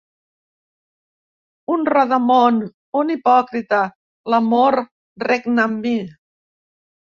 Un rodamón, un hipòcrita, l'amor regna en mi.